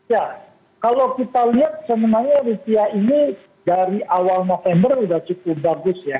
ya kalau kita lihat sebenarnya rupiah ini dari awal november sudah cukup bagus ya